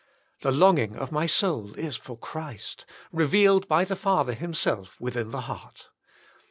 The longing of my soul is for Christ, revealed by the Father Himself within the heart.